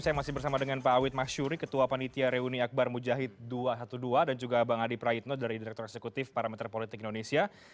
saya masih bersama dengan pak awid masyuri ketua panitia reuni akbar mujahid dua ratus dua belas dan juga bang adi praitno dari direktur eksekutif parameter politik indonesia